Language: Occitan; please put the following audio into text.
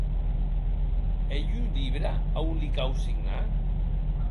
Ei un libre a on li cau signar?